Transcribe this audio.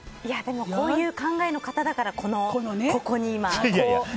こういう考えの方だからここに今。